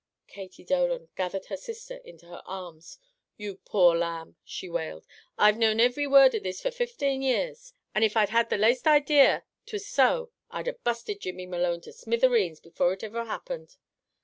Katie Dolan gathered her sister into her arms. "You poor lamb," she wailed. "I've known ivery word of this for fiftane years, and if I'd had the laste idea 'twas so, I'd a busted Jimmy Malone to smithereens before it iver happened!"